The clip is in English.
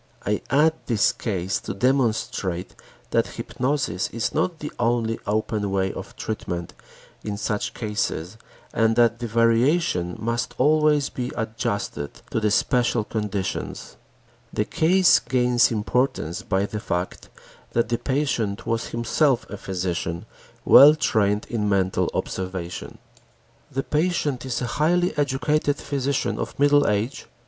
I add this case to demonstrate that hypnosis is not the only open way of treatment in such cases and that the variations must always be adjusted to the special conditions. The case gains importance by the fact that the patient was himself a physician well trained in mental observation. The patient is a highly educated physician of middle age.